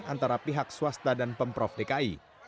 antara pihak swasta dan pemprov dki